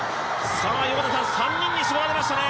３人に絞られましたね。